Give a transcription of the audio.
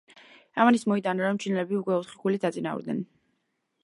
ამან ის მოიტანა რომ, ჩინელები უკვე ოთხი ქულით დაწინაურდნენ.